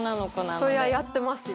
そりゃやってますよ。